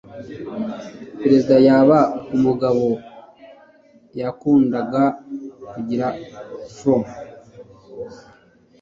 perezida yaba umugabo? yakundaga kugira fro